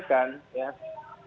kami juga ingin sampai